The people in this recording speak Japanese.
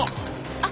あっ。